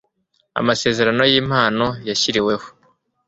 amasezerano y impano yashyiriweho